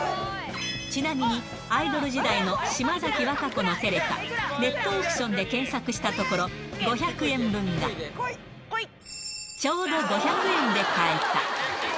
ちなみに、アイドル時代の島崎和歌子のテレカ、ネットオークションで検索したところ、５００円分が、ちょうど５００円で買えた。